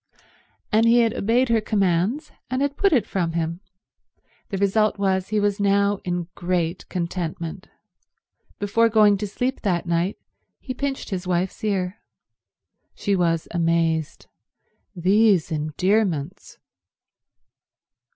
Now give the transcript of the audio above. And he had obeyed her commands, and had put it from him. The result was he was now in great contentment. Before going to sleep that night he pinched his wife's ear. She was amazed. These endearments